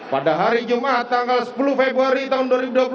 pada hari jumat tanggal sepuluh februari tahun dua ribu dua puluh satu